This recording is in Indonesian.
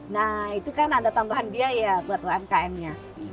nah itu kan ada tambahan biaya buat umkm nya